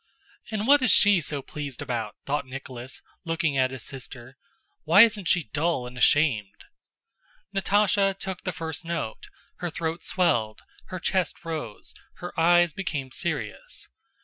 "And what is she so pleased about?" thought Nicholas, looking at his sister. "Why isn't she dull and ashamed?" Natásha took the first note, her throat swelled, her chest rose, her eyes became serious.